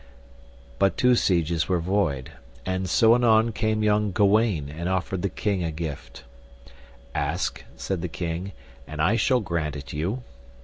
But two sieges were void. And so anon came young Gawaine and asked the king a gift. Ask, said the king, and I shall grant it you.